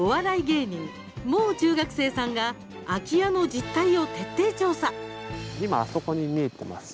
芸人・もう中学生さんが空き家の実態を徹底調査。